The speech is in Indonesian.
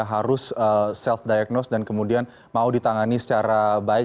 harus self diagnose dan kemudian mau ditangani secara baik